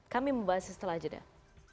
kami membahas setelah jadah